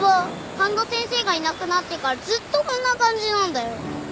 半田先生がいなくなってからずっとこんな感じなんだよ。